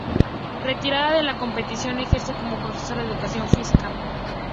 Retirada de la competición ejerce como profesora de educación física.